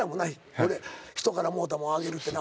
俺人からもうたもんあげるってな。